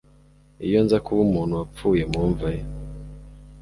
Iyo nza kuba umuntu wapfuye mu mva ye